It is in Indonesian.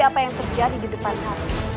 apa yang terjadi di depan hal